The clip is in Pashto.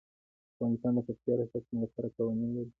افغانستان د پکتیا د ساتنې لپاره قوانین لري.